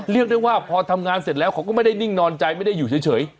เรียกได้ว่าพอทำงานเสร็จแล้วเขาก็ไม่ได้นิ่งนอนใจไม่ได้อยู่เฉย